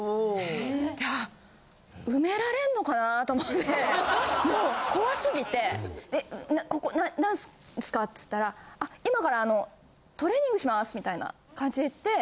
埋められんのかなあと思ってもう怖すぎて「ここなんですか？」って言ったら「今からあのトレーニングします」みたいな感じで。